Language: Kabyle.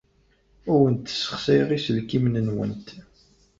Ur awent-ssexsayeɣ iselkimen-nwent.